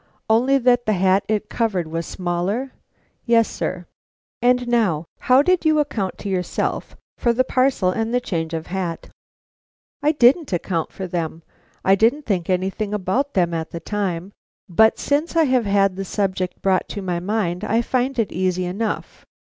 "Only that the hat it covered was smaller?" "Yes, sir." "And now, how did you account to yourself for the parcel and the change of hat?" "I didn't account for them. I didn't think anything about them at the time; but, since I have had the subject brought to my mind, I find it easy enough.